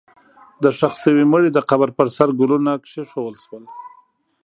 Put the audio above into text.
د ښخ شوي مړي د قبر پر سر ګلونه کېښودل شول.